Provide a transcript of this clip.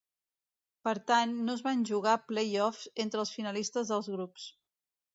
Per tant, no es van jugar play-offs entre els finalistes dels grups.